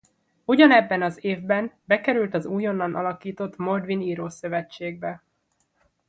Ugyanebben az évben bekerült az újonnan alakított Mordvin Írószövetségbe.